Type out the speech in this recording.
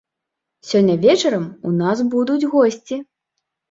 Сёння вечарам у нас будуць госці.